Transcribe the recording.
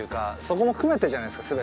そこも含めてじゃないですか